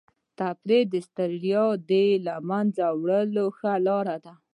تفریح د ستړیا د له منځه وړلو ښه لاره ده.